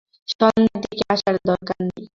সন্ধ্যার দিকে আসার দরকার নেই।